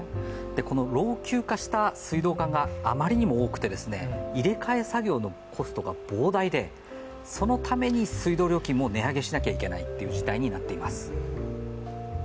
この老朽化した水道管があまりにも多くて入れ替え費用のコストが膨大でそのために水道料金が値上げしなきゃいけない事態になっています。